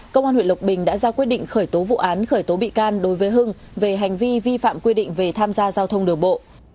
công an huyện lộc bình đã ra quyết định khởi tố vụ án khởi tố bị can đối với hưng về hành vi vi phạm quy định về tham gia giao thông đường bộ